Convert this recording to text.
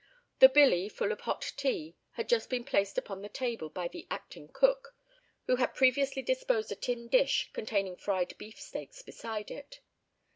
The "billy" full of hot tea had just been placed upon the table by the acting cook, who had previously disposed a tin dish containing fried beef steaks beside it.